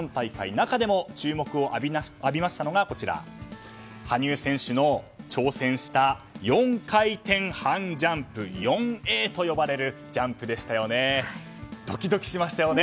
中でも注目を浴びましたのが羽生選手の挑戦した４回転半ジャンプ４Ａと呼ばれるジャンプでしたよね。